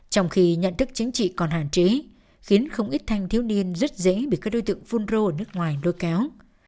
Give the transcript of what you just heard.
trong khi nhận thức chính trị còn hạn chế khiến không ít thanh thiếu niên rất dễ bị các đối tượng phun rô ở nước ngoài nuôi kéo